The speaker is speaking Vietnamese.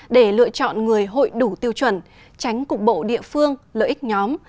để lựa chọn người hội đủ tiêu chuẩn tránh cục bộ địa phương lợi ích nhóm